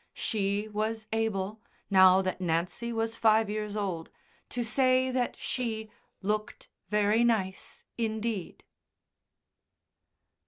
She was able, now that Nancy was five years old, to say that she "looked very nice indeed."